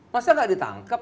masih gak ditangkap